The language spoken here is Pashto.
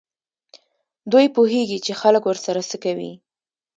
دوی پوهېږي چې خلک ورسره څه کوي.